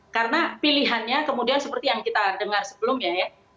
karena pilihannya kemudian seperti yang kita dengar sebelumnya